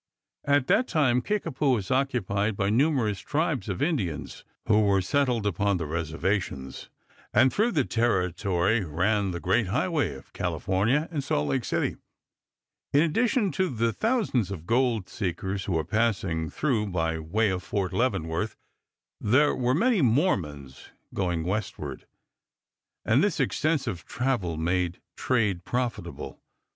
At that time Kickapoo was occupied by numerous tribes of Indians, who were settled upon the reservations, and through the territory ran the great highway of California and Salt Lake City. In addition to the thousands of gold seekers who were passing through by way of Fort Leavenworth, there were many Mormons going westward, and this extensive travel made trade profitable.